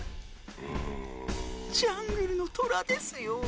ジャングルのトラですよ。